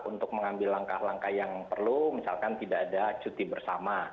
untuk mengambil langkah langkah yang perlu misalkan tidak ada cuti bersama